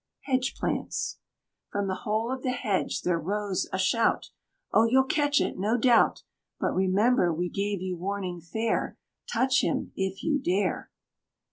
HEDGE PLANTS. From the whole of the hedge there rose a shout, "Oh! you'll catch it, no doubt! But remember we gave you warning fair, Touch him if you dare!"